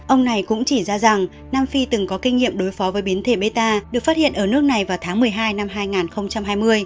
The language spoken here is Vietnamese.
ông này cũng chỉ ra rằng nam phi từng có kinh nghiệm đối phó với biến thể meta được phát hiện ở nước này vào tháng một mươi hai năm hai nghìn hai mươi